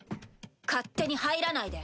勝手に入らないで。